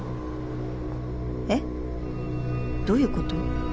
えっ？どういうこと？